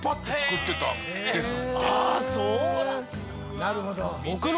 なるほど。